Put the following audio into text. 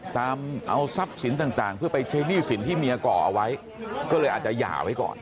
ตามเอาทรัพย์สินต่างเพื่อไปใช้หนี้สินที่เมียก่อเอาไว้ก็เลยอาจจะหย่าไว้ก่อน